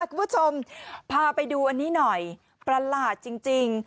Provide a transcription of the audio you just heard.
คุณผู้ชมพาไปดูอันนี้หน่อยประหลาดจริง